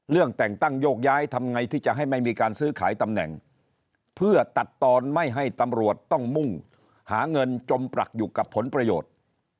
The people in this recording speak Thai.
เรื่องแต่งตั้งโยกย้ายทำไงที่จะให้ไม่มีการซื้อขายตำแหน่งเพื่อตัดตอนไม่ให้ตำรวจต้องมุ่งหาเงินจมปรักอยู่กับผลประโยชน์